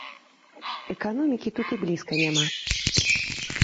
Эканомікі тут і блізка няма.